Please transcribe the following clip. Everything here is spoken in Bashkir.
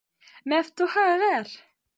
Мәфтуха ғәр.